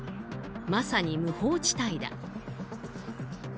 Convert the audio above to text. まさに無法地帯だ。